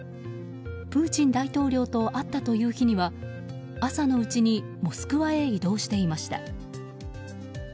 プーチン大統領と会ったという日には朝のうちにモスクワへ移動していました。